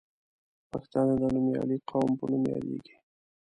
پښتانه د نومیالي قوم په نوم یادیږي.